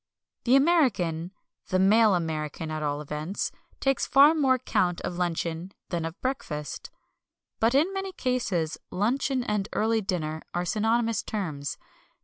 The American the male American at all events takes far more count of luncheon than of breakfast. But in many cases luncheon and early dinner are synonymous terms.